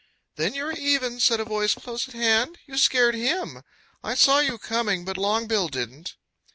"Then you are even," said a voice close at hand. "You scared him. I saw you coming, but Longbill didn't."